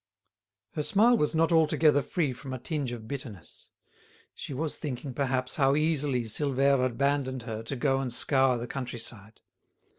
Her smile was not altogether free from a tinge of bitterness. She was thinking, perhaps, how easily Silvère abandoned her to go and scour the country side.